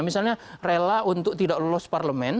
misalnya rela untuk tidak lolos parlemen